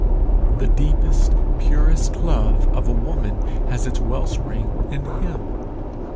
The deepest, purest love of a woman has its well spring in him.